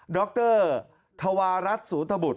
ดรธวารัฐสูตบุตร